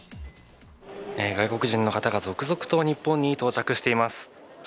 外国人の方が続々と日本に到着しています。